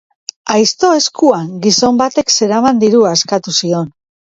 Aizto eskuan, gizon batek zeraman dirua eskatu zion.